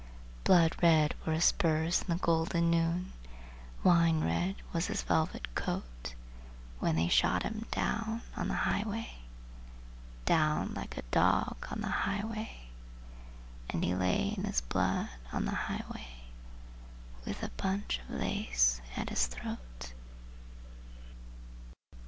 Blood red were his spurs in the golden noon, wine red was his velvet coat When they shot him down in the highway, Down like a dog in the highway, And he lay in his blood in the highway, with the bunch of lace at his throat.